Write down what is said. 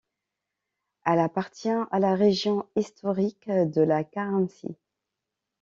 Elle appartient à la région historique de la Carinthie.